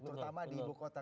terutama di ibu kota